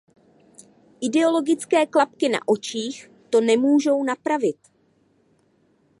Ideologické klapky na očích to nemůžou napravit.